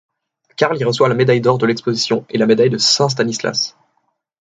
Karl y reçoit la médaille d'or de l'Exposition et la médaille de Saint-Stanislas.